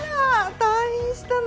退院したの？